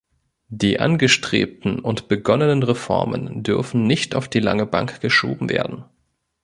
Die angestrebten und begonnenen Reformen dürfen nicht auf die lange Bank geschoben werden.